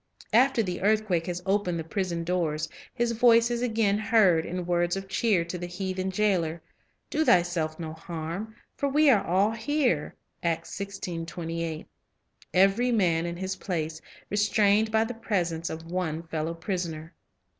After the earthquake has opened the prison doors, his voice is again heard, in words of Mastership cheer to the heathen jailer, "Do thyself no harm; for we are all here," 4 — every man in his place, restrained by the presence of one fellow prisoner.